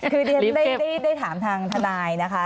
คือได้ถามทางทนายนะคะ